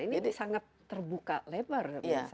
ini sangat terbuka lebar